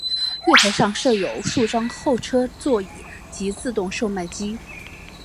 月台上设有数张候车座椅及自动售卖机。